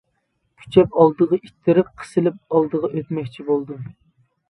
كۈچەپ ئالدىغا ئىتتىرىپ، قىسىلىپ ئالدىغا ئۆتمەكچى بولدۇم.